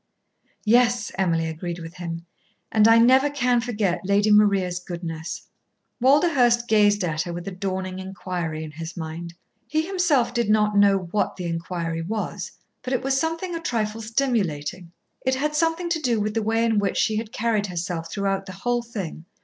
"Yes," Emily agreed with him. "And I never can forget Lady Maria's goodness." Walderhurst gazed at her with a dawning inquiry in his mind. He himself did not know what the inquiry was. But it was something a trifle stimulating. It had something to do with the way in which she had carried herself throughout the whole thing.